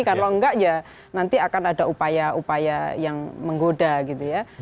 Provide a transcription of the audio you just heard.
kalau enggak ya nanti akan ada upaya upaya yang menggoda gitu ya